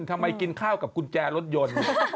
ทำไมกินข้าวกับกุญแจรถยนต์